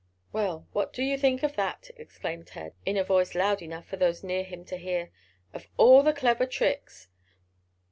"Well what do you think of that!" exclaimed Ted, in a voice loud enough for those near him to hear. "Of all the clever tricks!"